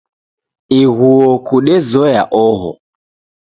Ighuo kudezoya oho